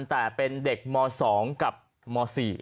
แต่เป็นเด็กม๒กับม๔